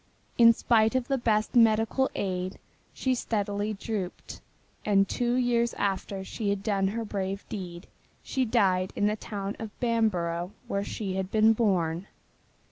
In spite of the best medical aid she steadily drooped, and two years after she had done her brave deed she died in the town of Bamborough where she had been born.